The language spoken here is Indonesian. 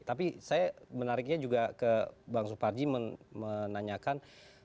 tapi saya menariknya juga ke bang suparji menanyakan